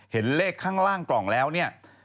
เห็นเลขข้างล่างกล่องแล้วเนี่ย